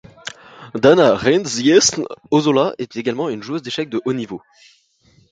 Dana Reinzniece-Ozola est également une joueuse d'échecs de haut niveau.